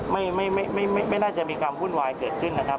ไม่ไม่น่าจะมีความวุ่นวายเกิดขึ้นนะครับ